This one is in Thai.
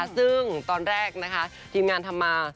ซึ่งตอนแรกนะคะทีมงานทำมา